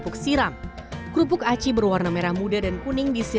pertama cuin cumannya makannya juga sudah diolah